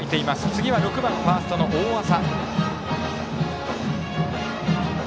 次は６番ファーストの大麻。